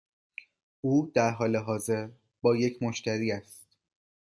او در حال حاضر با یک مشتری است.